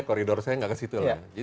koridor saya tidak ke situ